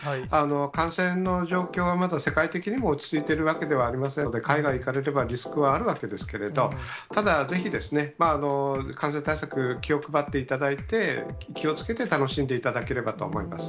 感染の状況はまだ世界的にも落ち着いているわけではありませんので、海外行かれれば、リスクはあるわけですけれども、ただ、ぜひですね、感染対策、気を配っていただいて、気をつけて楽しんでいただければと思います。